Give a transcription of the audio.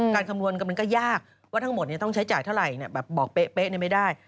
คำนวณมันก็ยากว่าทั้งหมดต้องใช้จ่ายเท่าไหร่แบบบอกเป๊ะไม่ได้